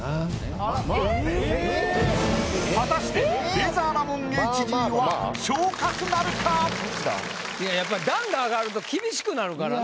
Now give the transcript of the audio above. レイザーラモンＨＧはいややっぱり段が上がると厳しくなるからね。